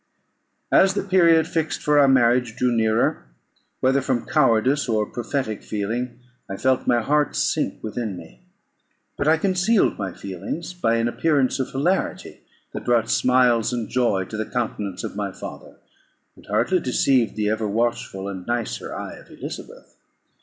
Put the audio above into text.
As the period fixed for our marriage drew nearer, whether from cowardice or a prophetic feeling, I felt my heart sink within me. But I concealed my feelings by an appearance of hilarity, that brought smiles and joy to the countenance of my father, but hardly deceived the ever watchful and nicer eye of Elizabeth.